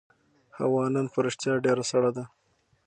هوا نن په رښتیا ډېره سړه ده.